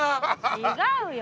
違うよ。